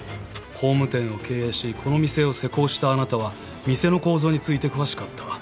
工務店を経営しこの店を施工したあなたは店の構造について詳しかった。